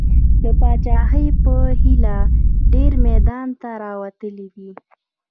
د پاچاهۍ په هیله ډېر میدان ته راوتلي دي.